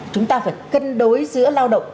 chúng ta phải cân đối giữa lao động